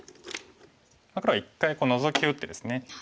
黒は一回ノゾキを打ってですね